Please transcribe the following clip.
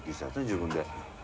自分で。